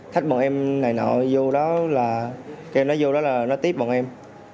thách bọn em này nọ vô đó là kêu nó vô đó là nó tiếp bọn em